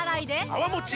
泡もち